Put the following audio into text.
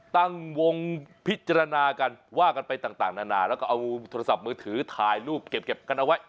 ตั้งวงพิจารณากันว่ากันไปต่างนานาแล้วก็เอาโทรศัพท์มือถือถ่ายรูปเก็บกันเอาไว้